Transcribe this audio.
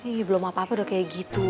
ini belum apa apa udah kayak gitu